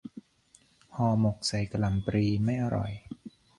ห่อหมกใส่กะหล่ำปลี ไม่อร่อย